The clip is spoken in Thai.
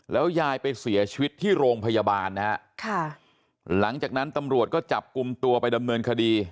แล้วยายไปเสียชีวิตที่โรงพยาบาลนะฮะค่ะหลังจากนั้นตำรวจก็จับกลุ่มตัวไปดำเนินคดี